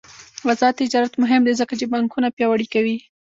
آزاد تجارت مهم دی ځکه چې بانکونه پیاوړي کوي.